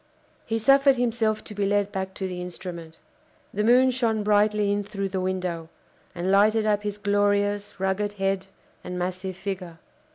He suffered himself to be led back to the instrument. The moon shone brightly in through the window, and lighted up his glorious, rugged head and massive figure.